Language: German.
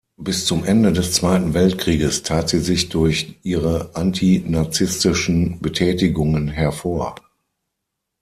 Bis zum Ende des Zweiten Weltkrieges tat sie sich durch ihre anti-nazistischen Betätigungen hervor.